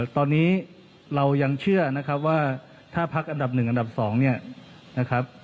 ตอนนี้เรายังเชื่อว่าถ้าพักอันดับ๑อันดับ๒